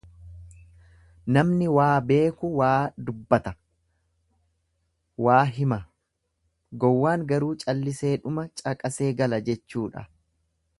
Namni waa beeku waa dubbata, waa hima gowwaan garuu calliseedhuma caqasee gala jechuudha.